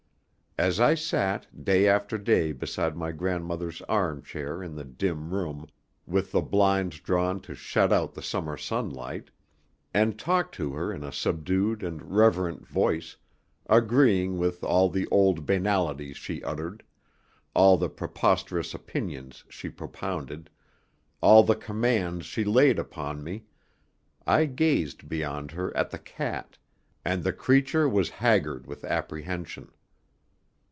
As I sat day after day beside my grandmother's armchair in the dim room, with the blinds drawn to shut out the summer sunlight, and talked to her in a subdued and reverent voice, agreeing with all the old banalities she uttered, all the preposterous opinions she propounded, all the commands she laid upon me, I gazed beyond her at the cat, and the creature was haggard with apprehension.